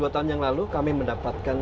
dua tahun yang lalu kami mendapatkan